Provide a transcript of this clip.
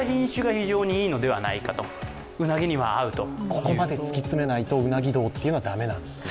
ここまで突き詰めないとうなぎ道というのは駄目なんですね？